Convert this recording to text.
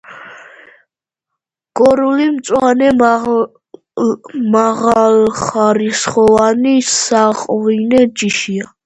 გორული მწვანე მაღალხარისხოვანი საღვინე ჯიშია.